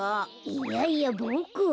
いやいやボクは。